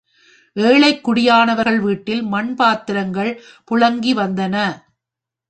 ஏழைக் குடியானவர்கள் வீட்டில் மண்பாத்திரங்கள் புழங்கி வந்தன.